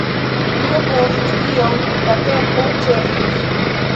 Tio post iom da tempo ĉesis.